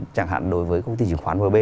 chẳng hạn đối với công ty di dụng khoán vb